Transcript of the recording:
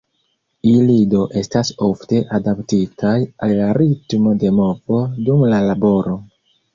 Ili do estas ofte adaptitaj al la ritmo de movo dum la laboro.